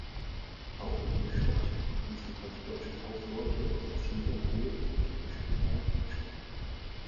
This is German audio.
Auch in den Städten ließen bald deutsche Kaufleute und Offiziere neue evangelische Gemeinden entstehen.